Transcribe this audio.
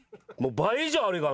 倍以上あるがな。